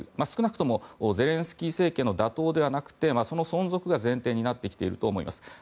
少なくともゼレンスキー政権の妥当ではなくてその存続が前提になってきていると思います。